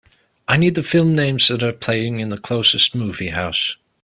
I need the films names that are playing in the closest movie house